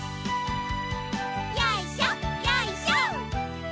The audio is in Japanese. よいしょよいしょ。